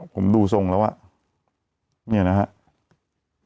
ผมดูทรงแล้วว่าเนี่ยนะครับ